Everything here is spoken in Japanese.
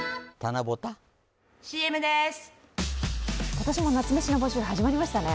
今年も夏メシの募集始まりましたね。